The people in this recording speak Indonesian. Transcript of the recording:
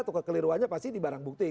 atau kekeliruannya pasti di barang bukti